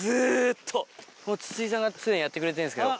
もう筒井さんがすでにやってくれてるんですけど。